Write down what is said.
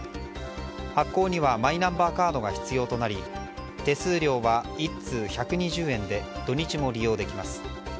発行にはマイナンバーカードが必要となり手数料は１通１２０円で土日も利用できます。